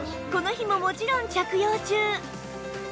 この日ももちろん着用中